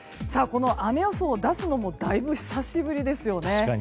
雨予想を出すのもだいぶ久しぶりですよね。